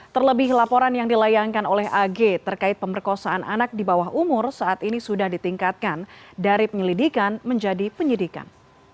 terlebih laporan yang dilayangkan oleh ag terkait pemerkosaan anak di bawah umur saat ini sudah ditingkatkan dari penyelidikan menjadi penyidikan